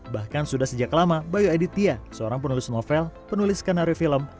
bahkan sudah sejak lama bayu aditya seorang penulis novel penulis skenario film